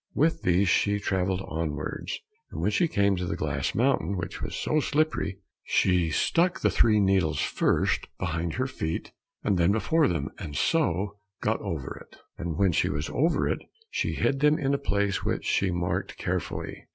With these she travelled onwards, and when she came to the glass mountain which was so slippery, she stuck the three needles first behind her feet and then before them, and so got over it, and when she was over it, she hid them in a place which she marked carefully.